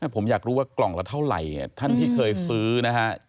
ผมอยากรู้ว่ากล่องละเท่าไหร่ท่านที่เคยซื้อนะฮะ